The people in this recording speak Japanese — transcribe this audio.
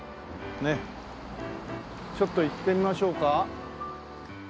ねっちょっと行ってみましょうか。